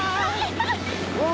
うわ！